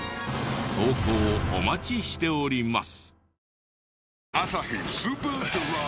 投稿お待ちしております。